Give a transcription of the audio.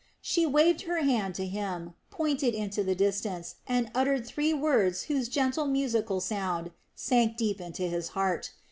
She waved her hand to him, pointed into the distance, and uttered three words whose gentle musical sound sank deep into his heart.